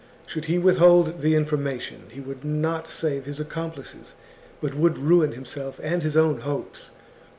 Should he withhold the information, he would not save his accomplices, but would ruin him CHAP. self and his own hopes.